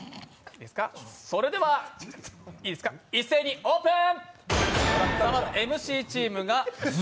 それでは一斉にオープン。